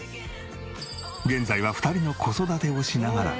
現在は２人の子育てをしながら。